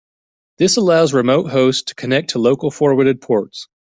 This allows remote hosts to connect to local forwarded ports.